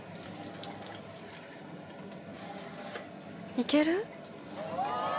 いける？